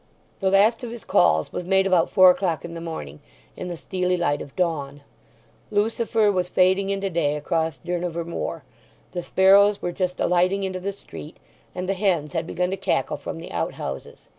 The last of his calls was made about four o'clock in the morning, in the steely light of dawn. Lucifer was fading into day across Durnover Moor, the sparrows were just alighting into the street, and the hens had begun to cackle from the outhouses.